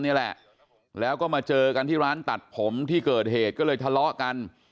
นี่แหละแล้วก็มาเจอกันที่ร้านตัดผมที่เกิดเหตุก็เลยทะเลาะกัน